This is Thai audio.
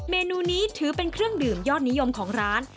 เมนูนี้ถือเป็นเครื่องดื่มยอดนิยมของร้าน